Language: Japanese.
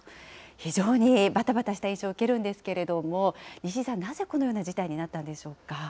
非常にばたばたした印象を受けるんですけれども、西井さん、なぜこのような事態になったんでしょうか。